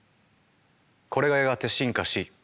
これがやがて進化し。